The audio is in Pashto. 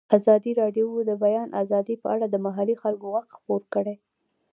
ازادي راډیو د د بیان آزادي په اړه د محلي خلکو غږ خپور کړی.